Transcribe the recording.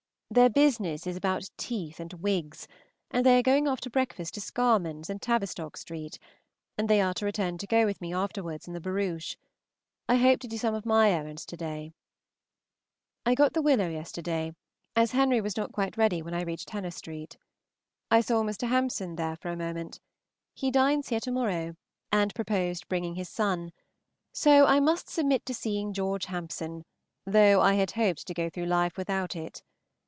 Their business is about teeth and wigs, and they are going after breakfast to Scarman's and Tavistock St., and they are to return to go with me afterwards in the barouche. I hope to do some of my errands to day. I got the willow yesterday, as Henry was not quite ready when I reached Hena. St. I saw Mr. Hampson there for a moment. He dines here to morrow, and proposed bringing his son; so I must submit to seeing George Hampson, though I had hoped to go through life without it.